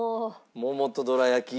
桃とどら焼き。